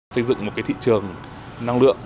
xây dựng một thị trường năng lượng